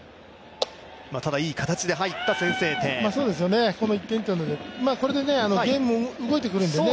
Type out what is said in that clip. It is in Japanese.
ただ、いい形で入った先制点この１点というのでこれでゲームも動いてくるんでね。